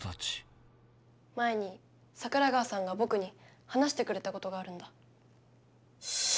前に桜川さんがぼくに話してくれたことがあるんだ。